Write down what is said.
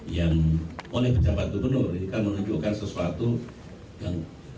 yang oleh pejabat gubernur ini kan menunjukkan sesuatu yang